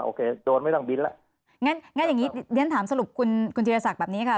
โครนไม่ต้องบินแล้วงั้นงั้นอย่างงี้เรียนถามสรุปคุณคุณธีรศักดิ์แบบนี้ค่ะ